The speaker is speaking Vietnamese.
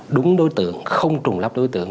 đúng đối tượng không trùng lắp đối tượng